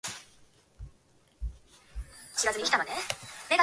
Around this time, several Korean television dramas were broadcast in China.